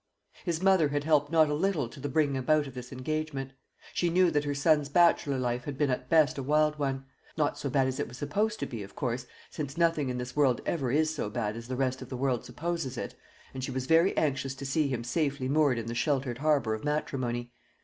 His mother had helped not a little to the bringing about of this engagement. She knew that her son's bachelor life had been at best a wild one; not so bad as it was supposed to be, of course, since nothing in this world ever is so bad as the rest of the world supposes it; and she was very anxious to see him safely moored in the sheltered harbour of matrimony.